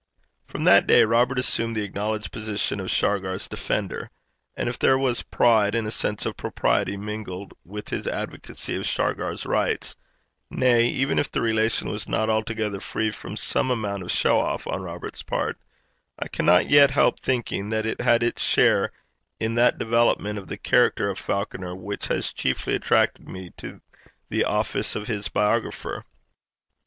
From that day Robert assumed the acknowledged position of Shargar's defender. And if there was pride and a sense of propriety mingled with his advocacy of Shargar's rights, nay, even if the relation was not altogether free from some amount of show off on Robert's part, I cannot yet help thinking that it had its share in that development of the character of Falconer which has chiefly attracted me to the office of his biographer.